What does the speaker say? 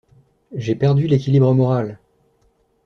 J’ai perdu l’équilibre moral!